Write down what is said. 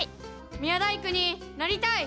宮大工になりたい！